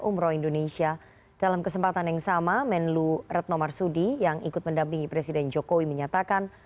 menteri luar negeri retno marsudi yang ikut mendampingi presiden jokowi menyatakan